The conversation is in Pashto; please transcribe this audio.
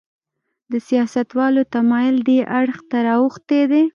د سیاستوالو تمایل دې اړخ ته راوښتی دی.